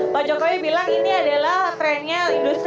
pak jokowi bilang ini adalah trennya industri